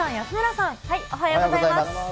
おはようございます。